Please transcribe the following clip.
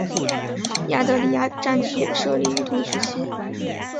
亚德里亚战区也设立于同一时期。